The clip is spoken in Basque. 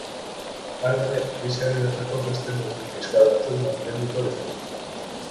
Hala ere, krisiaren aurkako beste neurri fiskal batzuk mantenduko dira.